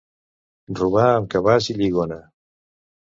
Robar amb cabàs i lligona.